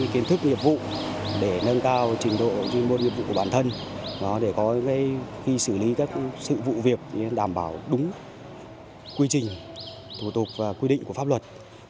khi xử lý các sự vụ việc đảm bảo đúng quy trình thủ tục và quy định của pháp luật